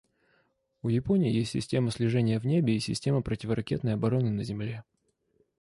У Японии есть система слежения в небе и система противоракетной обороны на земле.